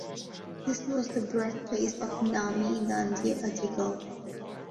This was the birthplace of Nami Nandi Adigal.